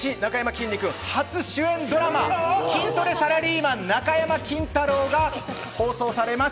私、なかやまきんに君初主演ドラマ『筋トレサラリーマン中山筋太郎』中山筋太郎が放送されます。